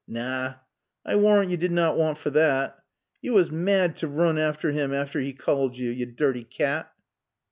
Naw, I warrant yo did na waat fer thot. Yo was mad t' roon affter 'im afore 'e called yo. Yo dirty cat!"